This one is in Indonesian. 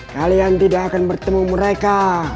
kalian tidak akan bertemu mereka